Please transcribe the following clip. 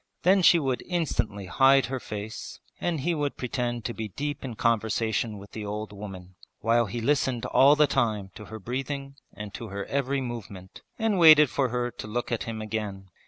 Then she would instantly hide her face and he would pretend to be deep in conversation with the old woman, while he listened all the time to her breathing and to her every movement and waited for her to look at him again.